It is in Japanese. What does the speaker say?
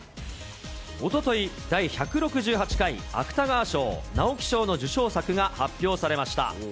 おととい、第１６８回芥川賞・直木賞の受賞作が発表されました。